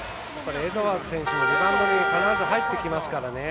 エドワーズ選手もリバウンドに必ず入ってきますからね。